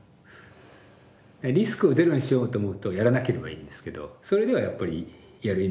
リスクをゼロにしようと思うとやらなければいいんですけどそれではやっぱりやる意味ないので。